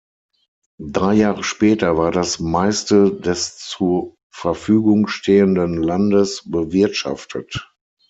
Drei Jahre später war das meiste des zu Verfügung stehenden Landes bewirtschaftet.